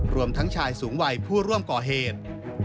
รวมทั้งชายสูงวัยผู้ร่วมก่อเหตุ